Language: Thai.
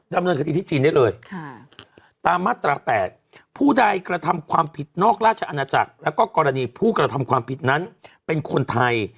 ดำเนินคดีที่จีนได้เลยตามมาตรา๘ผู้ใดกระทำความผิดนอกราชอาณาจักรแล้วก็กรณีผู้กระทำความผิดนั้นเป็นคนไทย